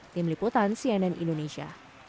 tim liputan cnn indonesia